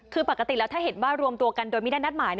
คือปกติแล้วถ้าเห็นว่ารวมตัวกันโดยไม่ได้นัดหมาย